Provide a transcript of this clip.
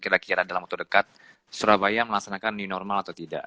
apakah dalam waktu dekat surabaya melaksanakan di normal atau tidak